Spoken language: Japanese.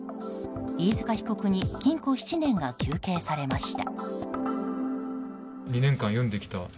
飯塚被告に禁錮７年が求刑されました。